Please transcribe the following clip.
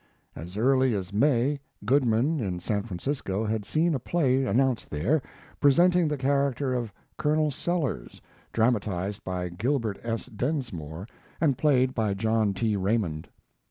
As early as May, Goodman, in San Francisco, had seen a play announced there, presenting the character of Colonel Sellers, dramatized by Gilbert S. Densmore and played by John T. Raymond.